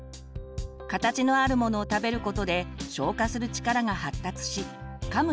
形のあるものを食べることで消化する力が発達しかむ